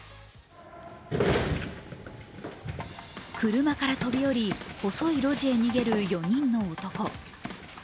車から飛び降り、細い路地を逃げる４人の男。